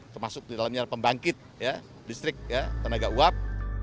termasuk di dalamnya pembangkit listrik tenaga uap